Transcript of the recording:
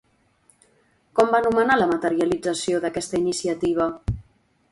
Com va anomenar la materialització d'aquesta iniciativa?